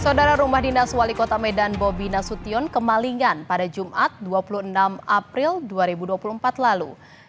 saudara rumah dinas wali kota medan bobi nasution kemalingan pada jumat dua puluh enam april dua ribu dua puluh empat lalu